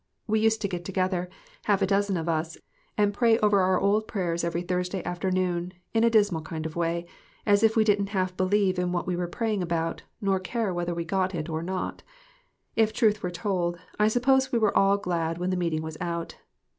We used to get together, half a dozen of us, and pray over our old prayers every Thursday afternoon in a dismal kind of way as if we didn't half believe in what we were praying about, nor care whether we got it or not. If the truth were told, I suppose we were all glad when the meeting was out.